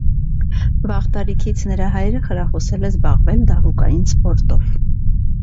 Վաղ տարիքից նրա հայրը խրախուսել է զբաղվել դահուկային սպորտով։